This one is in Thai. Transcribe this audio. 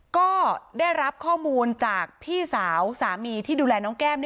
ก็ได้รับข้อมูลจากพี่สาวสามีที่ดูแลน้องแก้ม